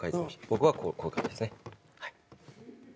僕はこういう感じですね。